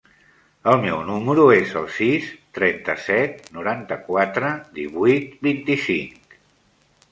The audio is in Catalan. El meu número es el sis, trenta-set, noranta-quatre, divuit, vint-i-cinc.